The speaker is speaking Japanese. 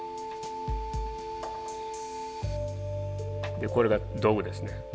でこれが道具ですね。